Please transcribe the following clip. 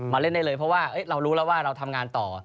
เล่นได้เลยเพราะว่าเรารู้แล้วว่าเราทำงานต่อ